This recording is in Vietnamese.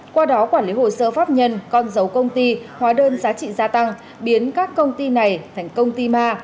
qua đó quản lý hồ sơ pháp nhân con dấu công ty hóa đơn giá trị gia tăng biến các công ty này thành công ty ma